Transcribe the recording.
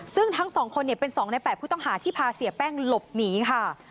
ซึ่งทั้ง๒คนเป็น๒ใน๘ผู้ต้องหาที่พาเสียแป้งหลบหนีค่ะ